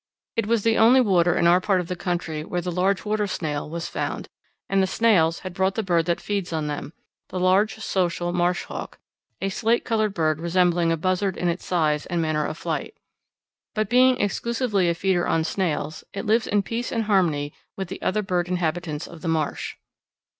It was the only water in our part of the country where the large water snail was found, and the snails had brought the bird that feeds on them the large social marsh hawk, a slate coloured bird resembling a buzzard in its size and manner of flight. But being exclusively a feeder on snails, it lives in peace and harmony with the other bird inhabitants of the marsh.